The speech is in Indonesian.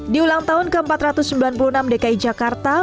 di ulang tahun ke empat ratus sembilan puluh enam dki jakarta